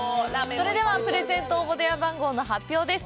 それでは、プレゼント応募電話番号の発表です。